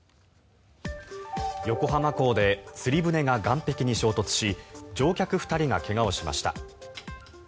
横浜港で釣り船が岸壁に衝突し乗客２人が怪我をしました。